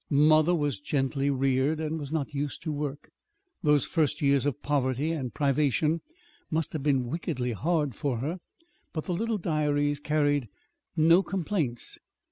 Mother was gently reared, and was not used to work. Those first years of poverty and privation must have been wickedly hard for her. But the little diaries carried no complaints.